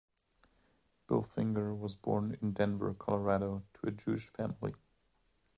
Bill Finger was born in Denver, Colorado, to a Jewish family.